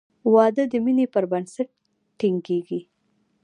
• واده د مینې پر بنسټ ټینګېږي.